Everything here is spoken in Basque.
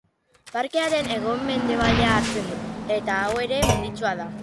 Parkearen hego-mendebaldea hartzen du eta hau ere menditsua da.